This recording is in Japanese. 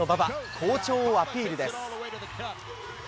好調をアピールです。